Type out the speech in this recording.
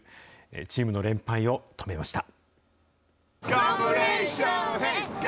チームの連敗を止めました。